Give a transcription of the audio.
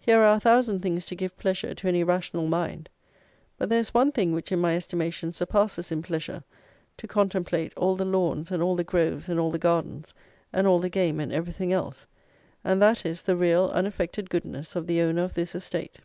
Here are a thousand things to give pleasure to any rational mind; but there is one thing, which, in my estimation, surpasses, in pleasure, to contemplate, all the lawns and all the groves and all the gardens and all the game and everything else; and that is, the real, unaffected goodness of the owner of this estate.